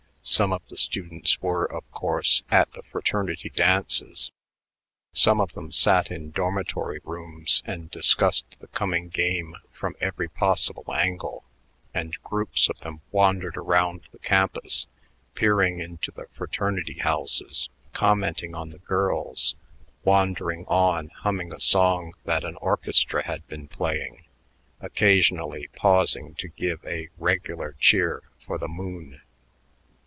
Some of the students were, of course, at the fraternity dances; some of them sat in dormitory rooms and discussed the coming game from every possible angle; and groups of them wandered around the campus, peering into the fraternity houses, commenting on the girls, wandering on humming a song that an orchestra had been playing, occasionally pausing to give a "regular cheer" for the moon.